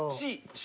Ｃ。